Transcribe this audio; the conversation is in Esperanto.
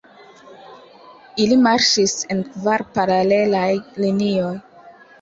Ili marŝis en kvar paralelaj linioj.